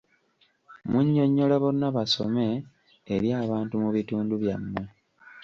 Munnyonnyola `Bonna Basome' eri abantu mu bitundu byammwe.